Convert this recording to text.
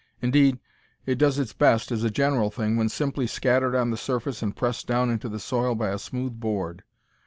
Indeed, it does its best, as a general thing, when simply scattered on the surface and pressed down into the soil by a smooth board.